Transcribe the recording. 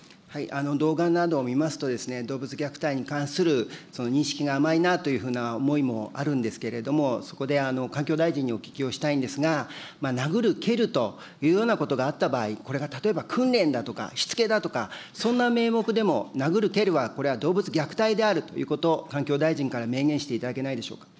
動画などを見ますと、動物虐待に関する認識が甘いなというふうな思いもあるんですけれども、そこで環境大臣にお聞きをしたいんですが、殴る、蹴るというようなことがあった場合、これが例えば訓練だとか、しつけだとか、そんな名目でも、殴る、蹴るは、これは動物虐待であるということ、これを環境大臣から明言していただけないでしょうか。